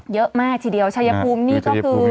เยอะมากทีเดียวชายภูมินี่ก็คือ